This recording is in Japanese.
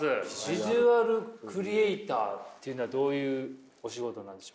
ビジュアルクリエイターっていうのはどういうお仕事なんでしょうか？